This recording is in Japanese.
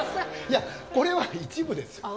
いやこれは一部です。